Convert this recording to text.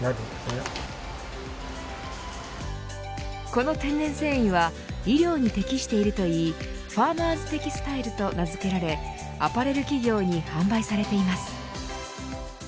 この天然繊維は衣料に適しているといいファーマーズテキスタイルと名付けられアパレル企業に販売されています。